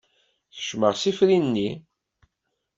Kecmeɣ s ifri-nni.